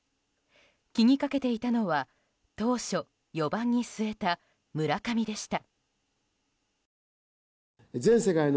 気にかけていたのは当初４番に据えた村上でした。